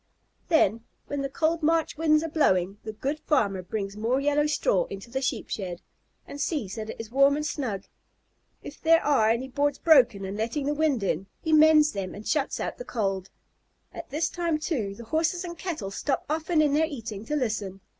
Then, when the cold March winds are blowing, the good farmer brings more yellow straw into the Sheep shed, and sees that it is warm and snug. If there are any boards broken and letting the wind in, he mends them and shuts out the cold. At this time, too, the Horses and Cattle stop often in their eating to listen.